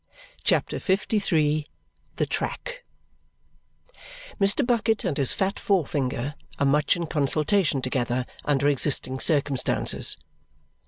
CHAPTER LIII The Track Mr. Bucket and his fat forefinger are much in consultation together under existing circumstances.